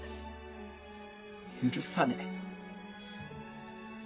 許さねえ。